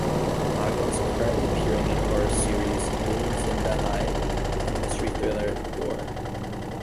Agha is currently appearing in Horror series "Neeli Zinda Hai" and mystery thriller "Dour".